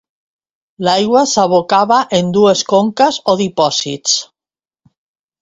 L'aigua s'abocava en dues conques o dipòsits.